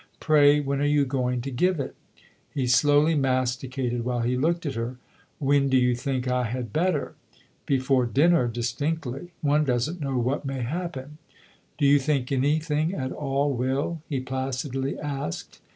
" Pray, when are you going to give it ?" He slowly masticated while he looked at her. " When do you think I had better ?" "Before dinner distinctly. One doesn't know what may happen." " Do you think anything at all will ?" he placidly asked.